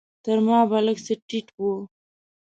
تر ما به لږ څه ټيټ و.